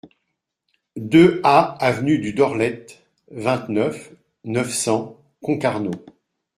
deux A avenue du Dorlett, vingt-neuf, neuf cents, Concarneau